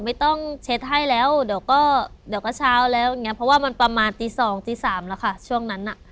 ไม่ต้องเช็ดให้แล้วเดี๋ยวก็เช้าแล้วเพราะว่ามันประมาณตีสองตีสามแล้วค่ะช่วงนั้น